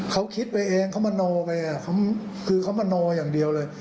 เขาคิดไปเองเขามโนไปคือเขามาโนอย่างเดียวเลย